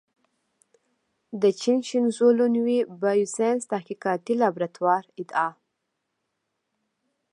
د چین شینزو لونوي بایوساینس تحقیقاتي لابراتوار ادعا